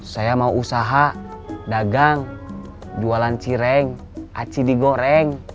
saya mau usaha dagang jualan cireng aci digoreng